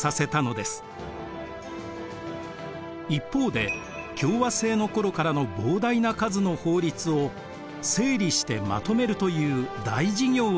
一方で共和政の頃からの膨大な数の法律を整理してまとめるという大事業を成し遂げます。